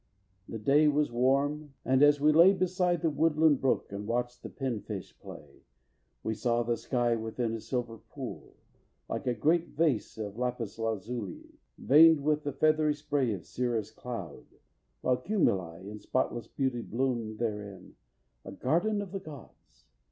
The day was warm, and as we lay beside The woodland brook and watched the pinfish play, We saw the sky within a silver pool, Like a great vase of lapis lazuli Veined with the feathery spray of cirrus cloud, While cumuli in spotless beauty bloomed Therein a garden of the gods!